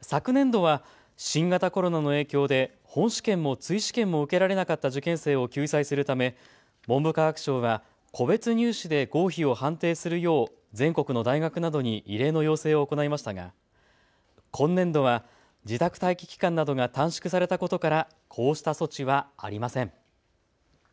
昨年度は新型コロナの影響で本試験も追試験も受けられなかった受験生を救済するため文部科学省は個別入試で合否を判定するよう全国の大学などに異例の要請を行いましたが今年度は自宅待機期間などが短縮されたことからこうした措置はありません。